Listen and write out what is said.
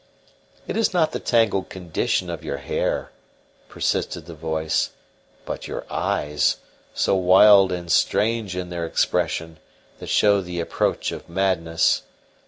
"It is not the tangled condition of your hair," persisted the voice, "but your eyes, so wild and strange in their expression, that show the approach of madness.